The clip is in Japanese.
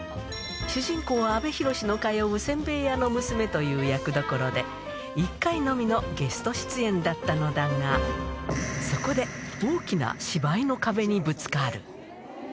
主人公、阿部寛の通うせんべい屋の娘という役どころで、１回のみのゲスト出演だったのだが、そこで、大きな芝居の壁にぶつかる。